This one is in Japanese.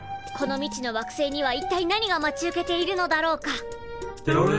この未知の惑星にはいったい何が待ち受けているのだろうか？